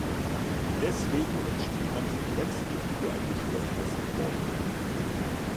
Deswegen entschied man sich letztlich für ein geschlossenes Gebäude.